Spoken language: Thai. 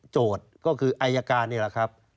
โจทย์ก็คืออายการเนี่ยแหละครับ